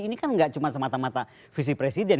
ini kan nggak cuma semata mata visi presiden